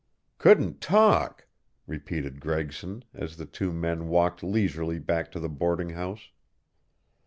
"Couldn't talk!" repeated Gregson, as the two men walked leisurely back to the boarding house.